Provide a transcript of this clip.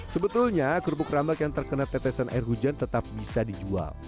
sebetulnya kerupuk rambak yang terkena tetesan air hujan tetap bisa dijual